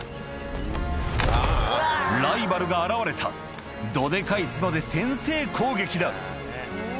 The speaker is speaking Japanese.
ライバルが現れたどデカい角で先制攻撃だ